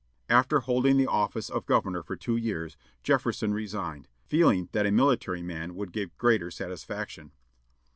After holding the office of governor for two years, Jefferson resigned, feeling that a military man would give greater satisfaction.